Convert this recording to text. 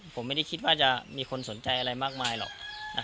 ผมไม่ได้คิดว่าจะมีคนสนใจอะไรมากมายหรอก